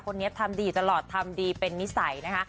คนนี้ทำดีตลอดทำดีเป็นนิสัยนะคะ